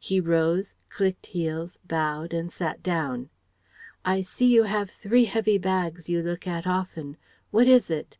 (He rose, clicked heels, bowed, and sat down.) I see you have three heavy bags you look at often. What is it?"